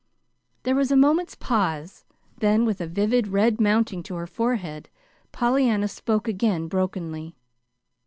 There was a moment's pause; then, with a vivid red mounting to her forehead, Pollyanna spoke again, brokenly.